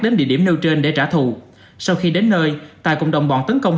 đến địa điểm nêu trên để trả thù sau khi đến nơi tài cùng đồng bọn tấn công